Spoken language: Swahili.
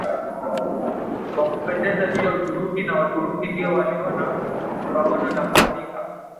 wa kupendeza juu ya Uturuki na Waturuki ndio tuliona tukaona na kuandika